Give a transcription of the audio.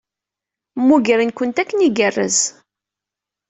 Mmugren-kent akken igerrez.